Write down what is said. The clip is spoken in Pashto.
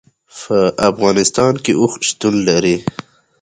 په افغانستان کې اوښ شتون لري.